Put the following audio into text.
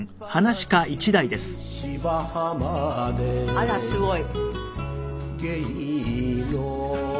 あらすごい。